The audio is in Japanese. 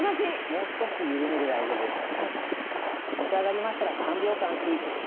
もう少し緩めで大丈夫です。